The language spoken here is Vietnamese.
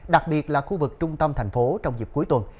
đặc biệt là khu vực trung tâm thành phố trong dịp cuối tuần